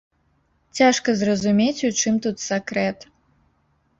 Цяжка зразумець, у чым тут сакрэт.